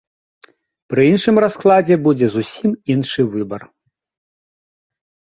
Пры іншым раскладзе будзе зусім іншы выбар.